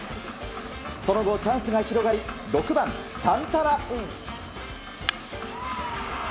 その後、チャンスが広がり６番サンタナ。